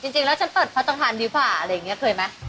จริงแล้วฉันเปิดพัตภัณฑ์ดีกว่าอะไรอย่างนี้เคยไหม